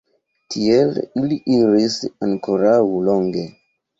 Tiel ili iris ankoraŭ longe.